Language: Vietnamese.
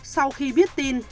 sau khi biết tin